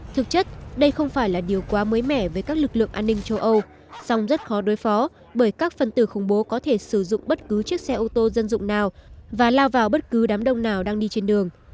thực chất đây không phải là điều quá mới mẻ với các lực lượng an ninh châu âu song rất khó đối phó bởi các phần tử khủng bố có thể sử dụng bất cứ chiếc xe ô tô dân dụng nào và lao vào bất cứ đám đông nào đang đi trên đường